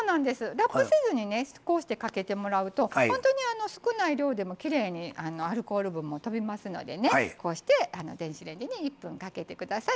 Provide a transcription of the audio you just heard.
ラップせずにこうして、かけてもらうと本当に少ない量でもきれいにアルコール分もとびますのでこうして電子レンジで１分かけてください。